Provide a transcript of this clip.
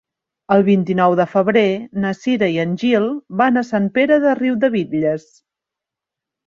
El vint-i-nou de febrer na Cira i en Gil van a Sant Pere de Riudebitlles.